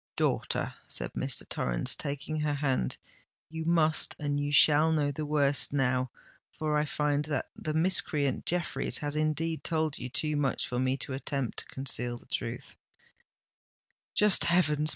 "Daughter," said Mr. Torrens, taking her hand, "you must and you shall know the worst now—for I find that the miscreant Jeffreys has indeed told you too much for me to attempt to conceal the truth——" "Just heavens!